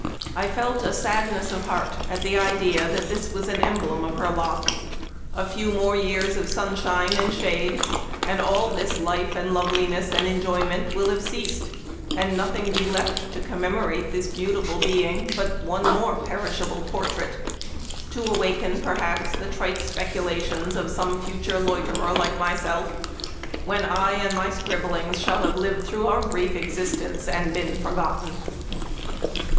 I felt a sadness of heart at the idea that this was an emblem of her lot ; a few more years of sunshine and shade, and all this life and loveliness and enjoyment will have ceased, and nothing be left to commemorate this beautiful being but one more perishable portrait, to awaken, perhaps, the trite speculations of some future loiterer like myself, when I and my scribblings shall have lived through our brief existence and been forgotten."